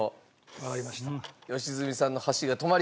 わかりました。